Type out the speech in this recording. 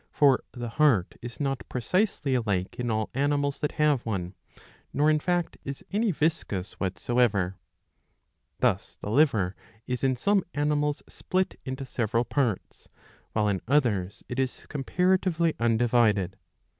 For the heart is not precisely alike in all animals that have one ; nor in fact is any yiscus what soever. Thus the liver is in some animals split into several parts, while in others it is comparatively undivided.